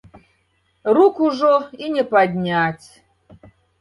Рук ужо і не падняць.